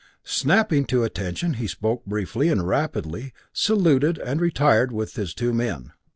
Snapping to attention, he spoke briefly and rapidly, saluted and retired with his two men.